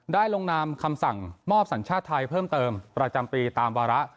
ลงนามคำสั่งมอบสัญชาติไทยเพิ่มเติมประจำปีตามวาระ